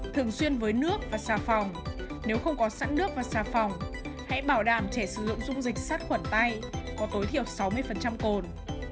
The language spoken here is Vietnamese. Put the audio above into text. thường xuyên với nước và xà phòng nếu không có sẵn nước và xà phòng hãy bảo đảm trẻ sử dụng dung dịch sát khuẩn tay có tối thiểu sáu mươi cồn